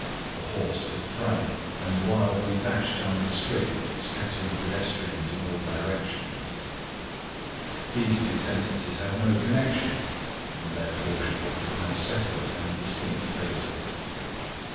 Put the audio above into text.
"The horse took fright and wildly dashed down the street scattering pedestrians in all directions." These two sentences have no connection and therefore should occupy separate and distinct places.